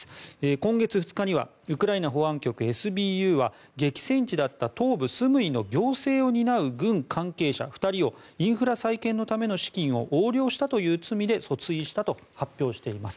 今月２日にはウクライナ保安局・ＳＢＵは激戦地だった東部スムイの行政を担う軍関係者２人をインフラ再建のための資金を横領したという罪で訴追したと発表しています。